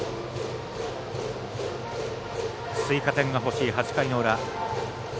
追加点が欲しい８回の裏。